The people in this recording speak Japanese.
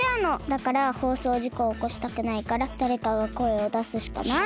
だからほうそうじこをおこしたくないからだれかがこえをだすしかない。